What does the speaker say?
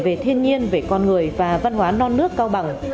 về thiên nhiên về con người và văn hóa non nước cao bằng